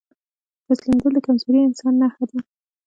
تسليمېدل د کمزوري انسان نښه ده.